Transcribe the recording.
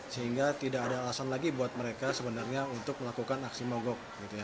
sehingga tidak ada alasan lagi buat mereka sebenarnya untuk melakukan aksi mogok